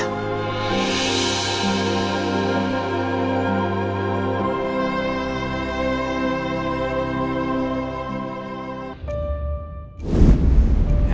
enak banget ya